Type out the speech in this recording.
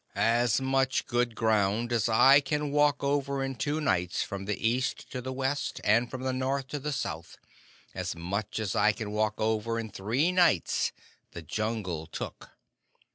"As much good ground as I can walk over in two nights from the east to the west, and from the north to the south as much as I can walk over in three nights, the Jungle took.